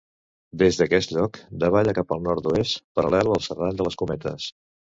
Des d'aquest lloc davalla cap al nord-oest, paral·lel al Serrall de les Cometes.